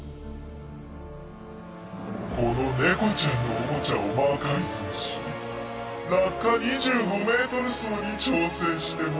このネコちゃんのオモチャを魔改造し落下２５ｍ走に挑戦してもらう。